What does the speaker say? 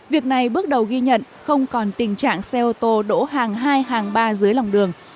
việc này bước đầu ghi nhận không còn tình trạng xe ô tô đỗ hàng hai hàng ba dưới lòng đường